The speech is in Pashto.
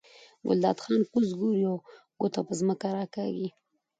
ګلداد خان کوز ګوري او ګوته په ځمکه راکاږي.